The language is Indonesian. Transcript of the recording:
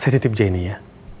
saya titip jenny ya